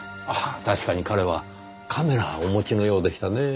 確かに彼はカメラをお持ちのようでしたねぇ。